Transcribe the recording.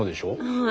はい。